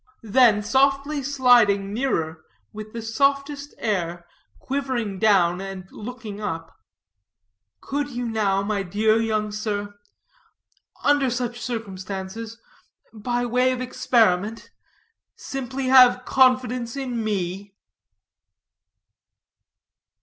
Then softly sliding nearer, with the softest air, quivering down and looking up, "could you now, my dear young sir, under such circumstances, by way of experiment, simply have confidence in me?"